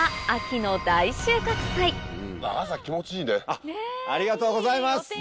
ありがとうございます！